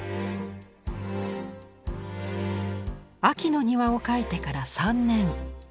「秋の庭」を描いてから３年。